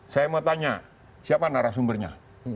saya mau tanya siapa narasumbernya